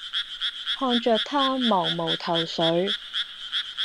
看著她茫無頭緒